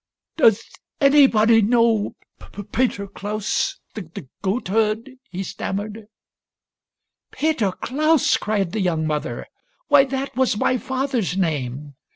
" Does anybody know Peter Klaus, the goat herd ?" he stammered. " Peter Klaus !" cried the young mother. " Why, that was my father's name.